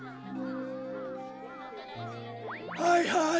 はいはい